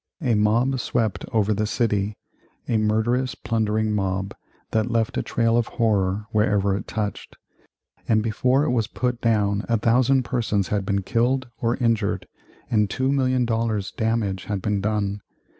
A mob swept over the city, a murderous, plundering mob that left a trail of horror wherever it touched; and before it was put down a thousand persons had been killed or injured, and $2,000,000 damage had been done.